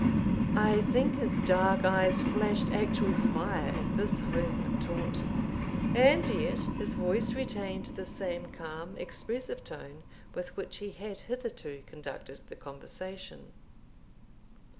I think his dark eyes flashed actual fire at this home taunt, and yet his voice retained the same calm expressive tone with which he had hitherto conducted the conversation.